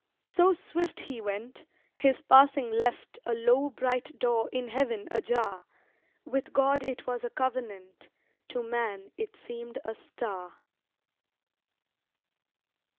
So swift He went, His passing left A low, bright door in Heaven ajar With God it was a covenant, To man it seemed a star.